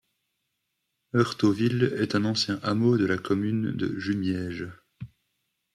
Heurteauville est un ancien hameau de la commune de Jumièges.